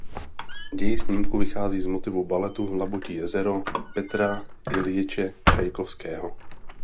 Děj snímku vychází z motivů baletu "Labutí jezero" Petra Iljiče Čajkovského.